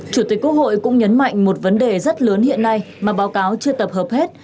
chủ tịch quốc hội cũng nhấn mạnh một vấn đề rất lớn hiện nay mà báo cáo chưa tập hợp hết